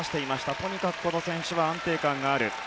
とにかくこの選手は安定感がある。